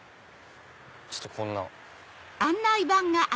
ちょっとこんなん。